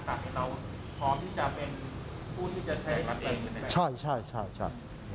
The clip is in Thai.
ต้องการให้เราพร้อมที่จะเป็นผู้ที่จะใช้ให้กันเอง